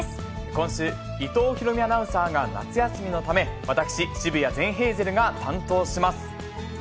今週、伊藤大海アナウンサーが夏休みのため、私、澁谷善ヘイゼルが担当します。